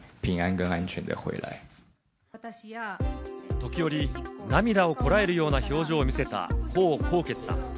時折、涙をこらえるような表情を見せたコウ・コウケツさん。